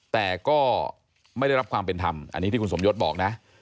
แต่ก็ไม่ได้รับความเป็นธรรมอันนี้ที่คุณสมยศบอกนะ